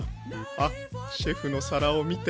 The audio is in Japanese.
あっシェフの皿を見て。